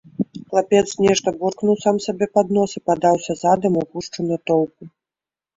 Хлапец нешта буркнуў сам сабе пад нос і падаўся задам у гушчу натоўпу.